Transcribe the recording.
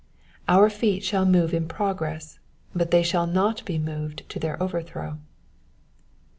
Our feet shall move in progress, but they shall not be moved to their overthrow.